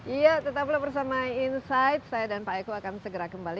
iya tetaplah bersama insight saya dan pak eko akan segera kembali